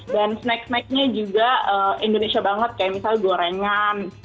dan snack snacknya juga indonesia banget kayak misalnya gorengan